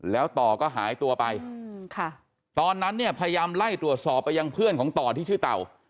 แล้วต่อก็หายตัวไปตอนนั้นเนี่ยพยายามไล่ตรวจสอบไปยังเพื่อนของต่อที่ชื่อเต่า